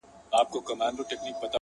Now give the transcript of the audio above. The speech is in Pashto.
ستا دي په یاد وي چي دا ښکلی وطن!